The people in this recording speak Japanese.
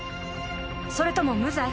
それとも無罪？］